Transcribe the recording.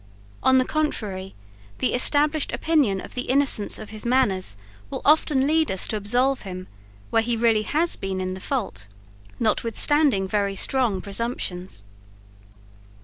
On the contrary, the established opinion of the innocence of his manners will often lead us to absolve him where he has really been in the fault, notwithstanding very strong presumptions."